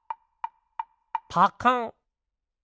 パカン！